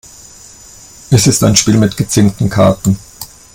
Es ist ein Spiel mit gezinkten Karten.